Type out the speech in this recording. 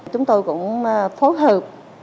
chúng tôi cũng phối hợp